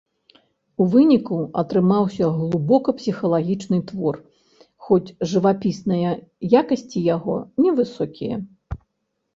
У выніку атрымаўся глыбока псіхалагічны твор, хоць жывапісныя якасці яго невысокія.